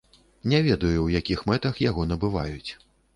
Не ведаю, у якіх мэтах яго набываюць.